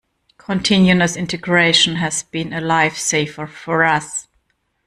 Continuous Integration has been a lifesaver for us.